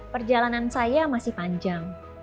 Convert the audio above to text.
perjalanan saya masih panjang